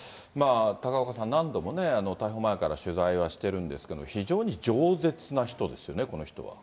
高岡さん、何度も逮捕前から取材はしてるんですけれども、非常にじょう舌な人ですよね、この人は。